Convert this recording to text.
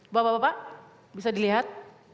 bapak bapak bisa dilihat